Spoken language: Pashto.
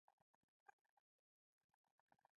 مهارت ولې زده کړو؟